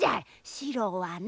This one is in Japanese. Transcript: シロはな。